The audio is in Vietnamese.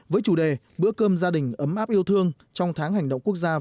với chủ đề bữa cơm gia đình ấm áp yêu thương trong tháng hành động quốc gia